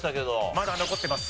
まだ残ってます！